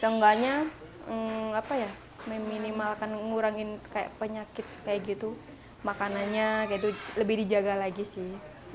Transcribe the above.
seenggaknya apa ya minimal akan mengurangi kayak penyakit kayak gitu makanannya kayak gitu lebih dijaga lagi sih